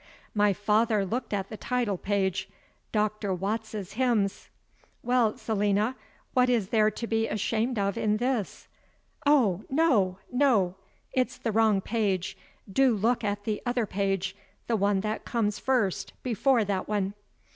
My father looked at the title page: "Doctor Watts's Hymns. Well, Selina, what is there to be ashamed of in this?" "Oh, no! no! It's the wrong page. Do look at the other page the one that comes first before that one."